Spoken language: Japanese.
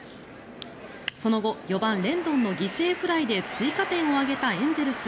その後４番、レンドンの犠牲フライで追加点を挙げたエンゼルス。